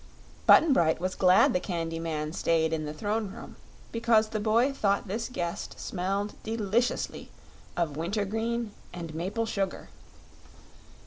Button Bright was glad the Candy Man stayed in the Throne Room, because the boy thought this guest smelled deliciously of wintergreen and maple sugar.